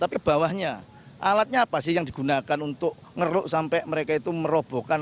tapi bawahnya alatnya apa sih yang digunakan untuk ngeruk sampai mereka itu merobohkan